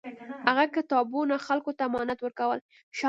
هغه کتابونه خلکو ته امانت ورکول.